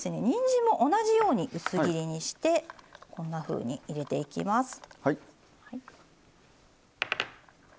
にんじんも同じように薄切りにしてこんなふうに入れていきます。